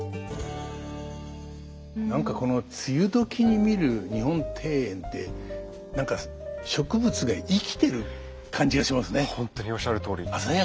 何かこの梅雨時に見る日本庭園って何か植物が生きてる感じがしますね。